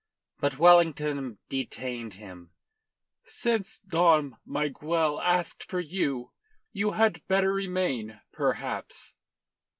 But Wellington detained him. "Since Dom Miguel asked for you, you had better remain, perhaps."